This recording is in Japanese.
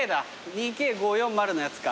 ２ｋ５４０のやつか。